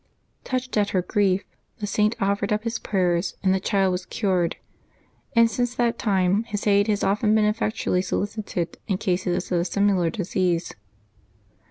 Touched at her grief, the Saint offered up his prayers, and the child was cured; and since that time his aid has often been effectually solicited in cases of a similar disease.